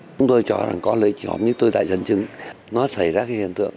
chúng tôi cho rằng có lợi ích nhóm như tôi đã dẫn chứng nó xảy ra cái hiện tượng